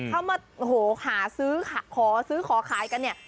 เขามาโอ้โหหาซื้อขอซื้อขอขายกันเนี่ย